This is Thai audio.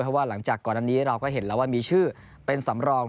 เพราะว่าหลังจากก่อนอันนี้เราก็เห็นแล้วว่ามีชื่อเป็นสำรอง